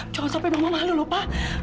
jangan sampai bangun mahal dulu pa